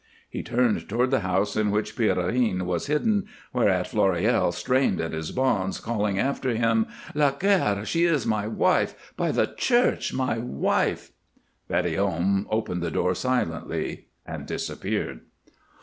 He turned toward the house in which Pierrine was hidden, whereat Floréal strained at his bonds, calling after him: "Laguerre! She is my wife by the Church! My wife." Petithomme opened the door silently and disappeared.